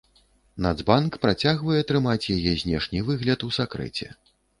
Нацбанк працягвае трымаць яе знешні выгляд у сакрэце.